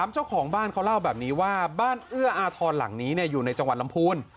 เจ้าของบ้านเขาเล่าแบบนี้ว่าบ้านเอื้ออาทรหลังนี้อยู่ในจังหวัดลำพูน